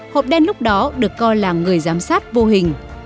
hộp đen lúc đó được coi là người giám sát vô hình